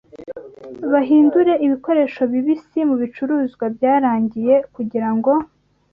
bahindure ibikoresho bibisi mubicuruzwa byarangiye kugirango